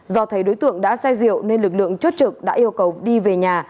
do thấy đối tượng đã say rượu nên lực lượng chốt trực đã yêu cầu đi về nhà